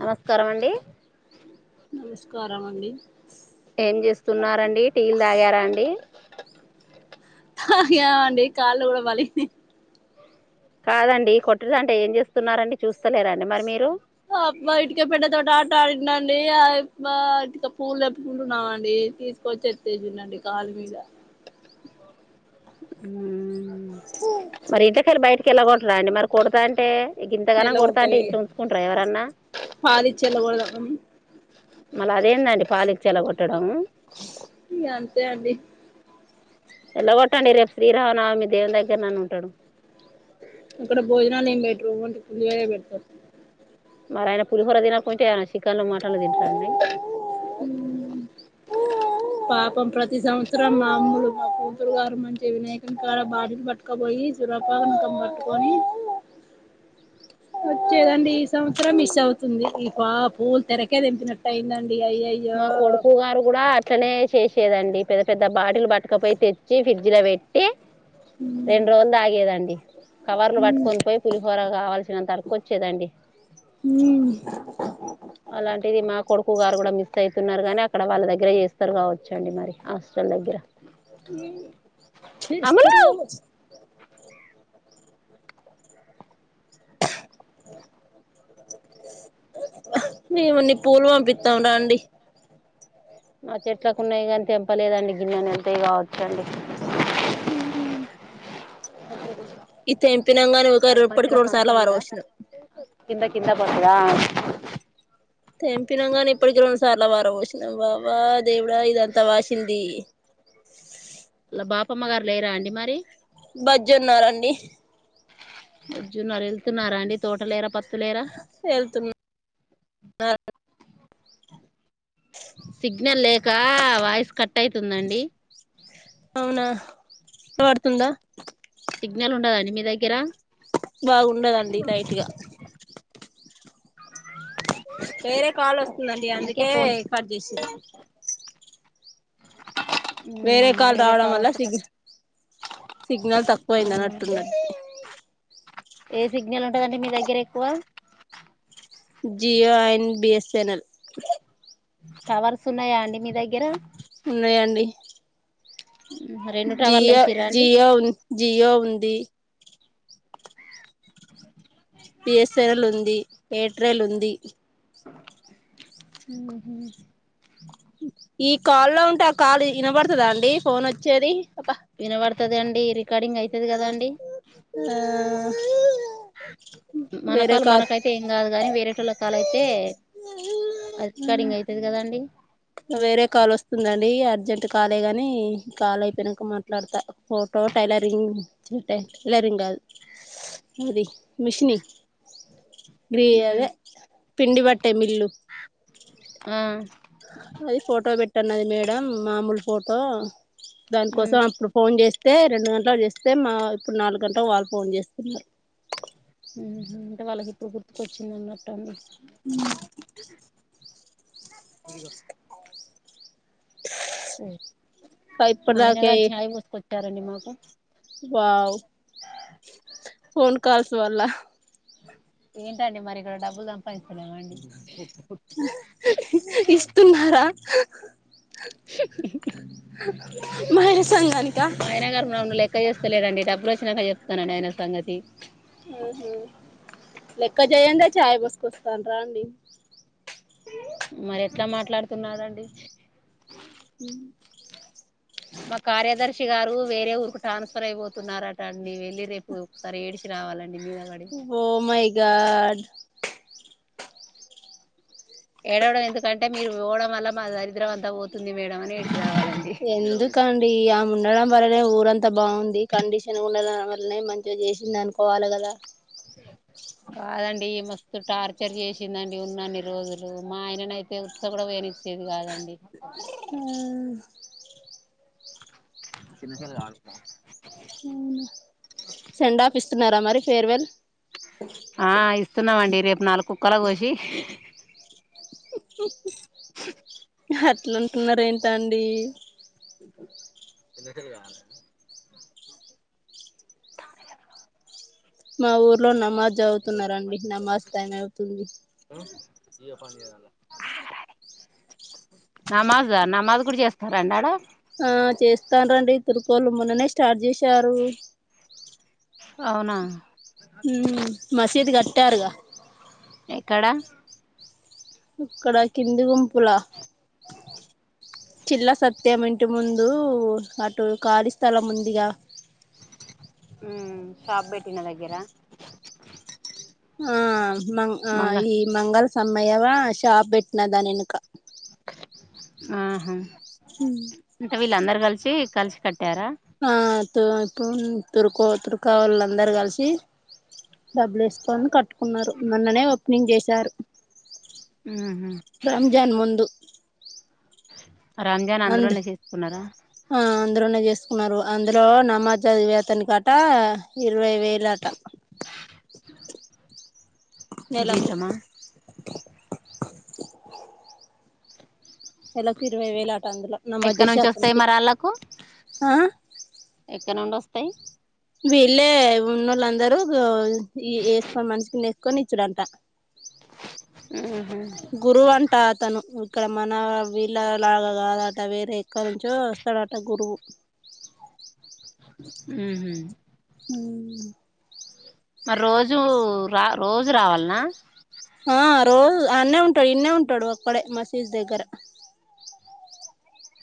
నమస్కారం అండి నమస్కారం అండి ఏం చేస్తున్నారండి టీలు తాగారా అండి తాగమండి కాళ్ళు కూడా పలిగ్నాయి కాదండి కొట్టుదంటే ఏం చేస్తున్నారండి చూస్తలేరండి మరి మీరు ఆ అబ్బాయి ఇటుక పెళ్ల తోటి ఆట ఆడిండండి ఆ బ ఇటుక పూలు తెంపుకుంటున్నామండి తీసుకొచ్చి ఎత్తేసిండు అండి కాలు మీద మ్ మరి ఇంట్లకెళ్ళి బయట్ కేల్లగొట్టరాండి మరి కొడుతాంటే గింతగనం ఎల్లగొడతాం కొడుతంటే ఇగ ఇంట్ల ఉంచుకుంటార ఎవరన్నా మ్ మళ్ళ అదేందండి పాలిచ్చి ఎల్లగొట్టడం ఇగ అంతే అండి ఎల్లగొట్టండి రేపు శ్రీరామనవమి దేవుని దగ్గర్నన్న ఉంటడు ఇక్కడ భోజనాలు ఏం పెట్టరు ఓన్లీ పులిహోరే పెడుతరు మరి ఆయన పులిహోర తినకుంటే ఎమన చికెన్లు మటన్లు తింటారండి పాపం ప్రతి సంవత్సరం మా అమ్ములు మా కూతురు గారు మంచి వినాయకుని కాడ బాటిల్ పట్టుకపోయి సురపా నకం పట్టుకోని వచ్చేదండి ఈ సంవత్సరం మిస్ అవుతుంది ఈ పా పూలు తనకే తెంపినటైందం మా కొడుకు గారు కూడా అట్లనే చేస్ దండి పెద్ద పెద్ద బాటిలు పట్టుకపోయి తెచ్చి ఫ్రిడ్జ్ ల పెట్టి రెండు రోజులు తాగేదండి కవర్లు పట్టుకొని పోయి పులిహోర కావాల్సినంత అడుక్కోచ్చేదండి అలాంటిది మా కొడుకు గారు కూడా మిస్ అయితున్నారు గానీ అక్కడ వాళ్ళ దగ్గర చేస్తారు కావచ్చండి మరి హాస్టల్ దగ్గర మ్ అమలు చేస్తరు కావచ్ మీము ని పూలు పంపితం రండి మా చెట్లకున్నయి గానీ తెంపలేదండి గిన్నన్నేల్తయి కావచ్చండి మ్ ఇది తెంపినంగాని ఉక అడ రు మంచిల ఇప్పటికి రెండు సార్ల సమస్య ఉందా పారపోసినం కింద కింద బడ్తయ తెంపినాం గానీ ఇప్పటికి రెండు సార్లు పార పోసినాం వావ దేవుడా ఇదంతా వాసింది వాళ్ళ బాపమ్మ గారు లేరా అండి మరి బజ్జోన్నారండి బజ్జున్నారా వెళ్తున్నారా అండి తోట లేరా పత్తు లేరా ఆ సిగ్నల్ లేకా వాయిస్ కట్ అయితుందండి వినపడుతుందా సిగ్నల్ ఉండదండి మీ దగ్గర. బాగుండదండి లైట్గా. వేరే కాలు వస్తుందండి అందుకే కట్ జేసీంరు. వేరే కాల్ రావడం వల్ల సిగీ. సిగ్నల్ అవునా తక్కువైందనట్టున్నద్ ఏ సిగ్నల్ ఉంటదండి మీ దగ్గర ఎక్కువ చెనల్ టవర్స్ ఉన్నాయా అండి మీ దగ్గర ఉన్నాయండి. రెండు టవర్లు జియ వేసిరా అండి జియో ఉం జియో ఉంది. బిఎస్ఎన్ఎల్ ఉంది ఎయిట్రెల్ ఉంది. ఉమ్మ్. ఈ కాల్లో ఉంటే ఆ కాల్ వినబడుతదా అండి ఫోన్ వచ్చేది. అబ్బా వినబడ్తదండి రికార్డింగ్ అయితది కదండి. ఆ వేరే మనకాల్ కాల్ మనకైతే ఏం కాదుగాని వేరేటోళ్ల కాల్ అయితే. తే అది రికార్డింగ్ అయితదికదాండి. వేరే కాల్ వస్తుందండి అర్జెంట్ కాలే గాని ఈ కాల్ అయిపోయినంక మాట్లాడుతా ఫోటో. టైలరింగ్ అంటే టైలరింగ్ కాదు అది మిషీని. గ్రీ అదే పిండి బట్. ఆహ్. దా మామూలు ఫోటో దాని ఉమ్ కోసం అప్పుడు ఫోన్ చేస్తే. స్తే రెండు గంటలకు చేస్తే మా ఇప్పుడు నాలుగు గంటలకు వాళ్ళు ఫోన్ చేస్తున్నారు. ఉమ్ హు అంటే వాళ్ళకిప్పుడు గుర్తుకొచ్చింది అన్నట్టామీ. ఉమ్. ఇదిగో. ఓ మా ఇప్పటి ఆయన దాకా గారు ఛాయ పోసుకొచ్చారండి మాకు. వావ్ ఫోన్ కాల్స్ వల్ల. ఏంటండి మరి ఇక్కడ డబ్బులు సంపాదిస్తలేమ అండి. ఇస్తున్నారా. ఉమ్. మహిళా సంఘానికా మా ఆయనగారు నన్ను లెక్క చేస్త లేరండి డబ్బులు. వచ్చినంక చెప్తాను ఆయన సంగతి. ఉమ్ హ్ లెక్క చేయందే చాయ పోస్కోస్తాండ్రా అండి. మరి ఎట్లా మాట్లాడుతున్నాడండి. ఉమ్. మా కార్యదర్శి గారు వేరే ఊరుకు ట్రాన్స్ఫర్ అయిపోతున్నారట అండి వెళ్ళి రేపు ఒకసారి ఏడ్చి. Oh my god. ఎడవడం ఎందుకంటే మీరు పోవడం వల్ల మా దరిద్రం అంతా పోతుంది మేడం అని ఎడ్. ఎందుకండి ఆమె ఉన్. ఉండడం వల్లనే ఊరంతా బాగుంది కండీషన్ ఉండడం వల్లనే మంచిగా చేసింది అనుకోవాలి కదా. కాదండి మస్తు టార్చర్ చేసిందండి ఉన్నన్ని రోజులు మా ఆయననైతే ఉత్స కూడా పోయని. చ్చేది కాదండి. అవున్. కింద కెళ్ళి ఆడుకో. తున్నారా మరి ఫేర్వేల్. ఆహ్ ఇస్తున్నామండి రేపు నాలుగు కుక్కలకు కోసి. అట్లాంటున్నరేంటం. డీ. మా ఊర్లో నమాజ్ చదువుతున్నారండి నమాజ్ ట్యామ్ అవుతుంది. య్యే పనిచెయ్యాలా నమాజా నమాజ్ కూడా చేస్తారండి ఆడా ఆ చేస్తాండ్రండి తురుక్కోల్లు మొన్ననే స్టార్ట్ చేసారు అవునా. ఉమ్ మసీదు కట్టారుగా. ఎక్కడ. ఇక్కడ కింది గుంపులా చిల్ల సత్యం ఇంటి ముందు అటు ఖాళీ స్థలం ఉందిగా ఉమ్ షాప్ బెట్టిన దగ్గర ఆ మంగ్ ఆ మంగ ఈ మంగల్ సమయవ షాప్ పెట్న దానెనుక ఆహా అంటే వీళ్ళందరు కలిసి కలిసి కట్ ఆ తు పు తురుకో తుర్కా వాళ్ళందరు కలిసి డబ్బులు వేసుకొని కట్టు కున్నారు నన్ననే ఓపెనింగ్ చేశారు ఉహు రంజాన్ ముందు రంజాన్ అంద్ అందులోనే చేసుకున్నారా అందరునే చేస్ కున్నారు అందులో నమాజ్ చదివే అతనికి అట ఇరవై వేలట జీతమా నెలకి ఇరువైవేలు అ అందులో నమాజ్ ఎక్కడ చేసే నుంచి వస్తాయి అతనికి మరి ఆళ్ళకు ఎక్కడ నుండి వస్తాయి వెళ్ళే ఉన్నోళ్ళందరూ వేసుకొని మనిషికి ఇన్ని వేసుకొని ఇచ్చుడంట ఉ గురువంట అతను ఇక్కడ మన వీళ్ళ లాగా కాదట వేరే ఎక్కడ నుంచో వస్తాడట గురువు ఉ హు మరి రోజు రా రోజు రావాలనా ఆ రోజు ఆనే ఉంటాడు ఇన్నె ఉంటాడు ఒక్కడే మసీదు దగ్గర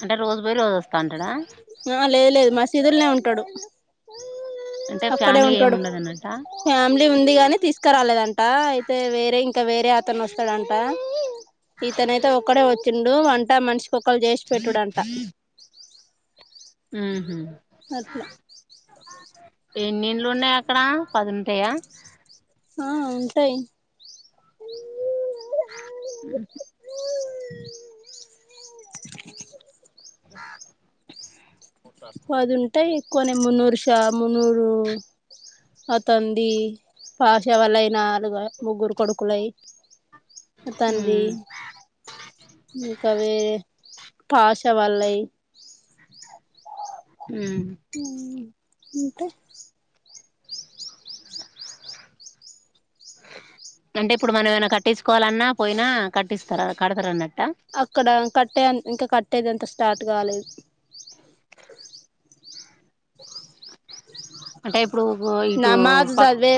అంటే రోజు పోయి రోజు వస్తాంటాడా ఆ లేదు లేదు మసీదులనే ఉంటాడు అంటే అక్కడే ఫ్యామిలీ ఏమి ఉంటాడు ఉండదు అన్నట్ట ఫ్యామిలీ ఉంది గాని తీస్ క రాలేదంట అయితే వేరే ఇంకా వేరే అతను వస్తాడంట ఇతనైతే ఒక్కడే వచ్చిండు వంట మనిషి పొక్కలు చేసి పెట్టుడంట ఉహు అట్లా ఎన్నిండ్లు ఉన్నాయి అక్కడ పదుంటాయ ఆ ఉంటాయి ఉ హు పదుంటాయి కొనే మున్నూరు షా మున్నూరు అతంది పాసవాళ అయి నాలుగు ముగ్గురు కొడుకులయి ఉ అతంది ఇంక వేరె కష వల్లయి ఉ ఉ ఇంకా అంటే ఇప్పుడు మనమ ఏమనా కట్టించుకోవాలన్నా పోయినా కట్టిస్తారా కడతారున్న అక్కడ కట్టే ఇంకా కట్టేది అంత స్టార్ట్ కాలేదు అంటే ఇప్పుడు ఇటు నమాజు ప చదివే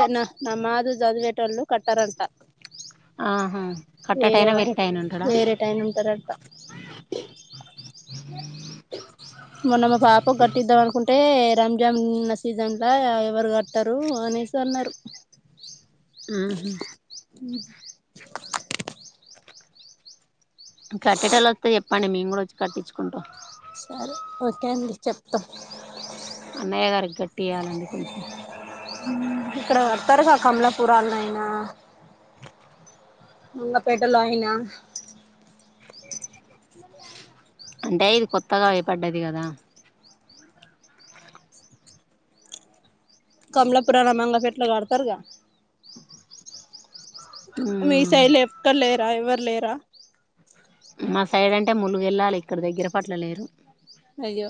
నమాజు చదివేటోళ్ళు కట్టారంట ఆహా వేరే కట్టటైనా వాళ్ళు వేరేటైనా ఉంటాడా వేరే టైంనే ఉంటారంట మొన్న మా పాపక్ కట్టిద్దాం అనుకుంటే రం జమ్న్న సీజన్ల ఎవరు కట్టరు అనేసి అన్నారు ఉ హు ఉ కట్టేట్టొళ్ళు వొస్తే ఎప్పండి మేం గూడా వొచ్చి కట్టిచ్చుకుంటాం సరే ఓకే అండి చెప్తా అన్నయ్య గారికి గట్టియాలండి కొంచెం మ్ ఇక్కడ కద్తరుగా కమలాపురనైనా మంగపేటలో ఐనా అంటే ఇది కొత్తగా ఐపడ్డది గదా కమలాపురన మంగపేట్ల కడ్తతర్గా మీ ఉమ్ సైడ్ ల ఎక్కడ లేరా ఎవళ్ళేరా మా సైడ్ అంటే ములుగెళ్ళాలి ఇక్కడ దగ్గర పాట్ల లేరు అయ్యో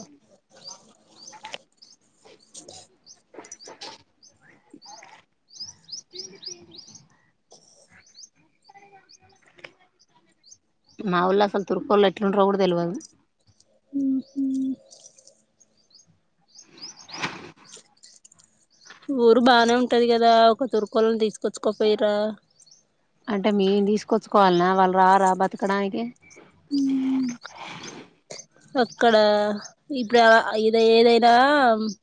మా ఊళ్ళో అసల్ తూర్కొల్లు ఎట్లుంటారో గూడా తెలువదు మ్ హు ఊరు బానే ఉంటది గదా ఒక తుర్కోల్ను తిస్కొచ్చుకోపెయిర్ర అంటే మేం తిస్కొచ్చుకోవాల్నా వాల్రా రా బతుకడానికి మ్ అక్కడ ఇప్పుడా ఇద ఏదైనా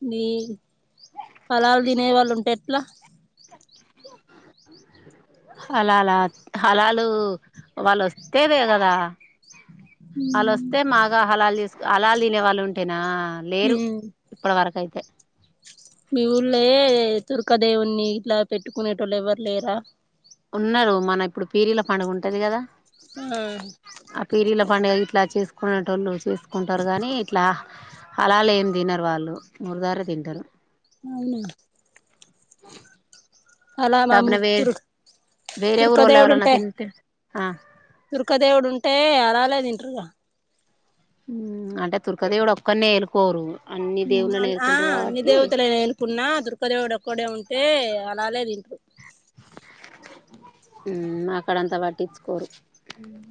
మీ హాలాల్ దినే వాళ్ళుంటే ఎట్లా హలాలా హలాలు వాళ్ళు వొస్తేనే గదా ఆళ్ళొస్తే మాగా హలాల్ చెస్ అలాల్ తినేవాళ్ళుంటెనా లేరు ఇప్పడి వరకైతే మీ ఊళ్ళే తుర్కాదేవున్నీ గిట్లా పెట్టుకునేటోళ్ళు ఎవ్వరు లేరా ఉన్నారు మన ఇప్పుడు పీరీల పండుగుంటది గదా ఆ ఆ పీరీల పండుగ గిట్లా చేసుకునేటోళ్లు చెస్ స్కుంటారు గాని ఇట్లా హాలాలేం తినరు వాళ్ళు మూరుగరే తీంటరు అవునా అలా మా దబ్బిన వే తుర్ వేరే ఊరోళ్ళేవలన్నా తింటే ఆ తుర్కా దేవుడుంటే అలాలే తింటర్గా మ్ అంటే తుర్కదేవుడు ఒక్కన్నే ఏలుకోరు అన్ని మ్ దేవుళ్ళని ఆన్ ఆ ఏలుకుంటారు అన్నీ కాబట్టి దేవతలనేలుకున్నా తుర్క దేవుడొక్కడే ఉంట్ టే అలాలే తింట్రు మ్మ్ మా కాడ అంతా వట్టించుకోరు ఉమ్